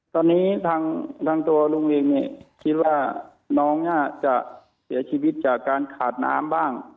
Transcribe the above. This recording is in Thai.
ตอนนี้ทางตัวลุงลิงเนี่ยคิดว่าน้องน่าจะเสียชีวิตจากการขาดน้ำบ้าง